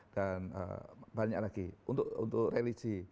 dan banyak lagi untuk religi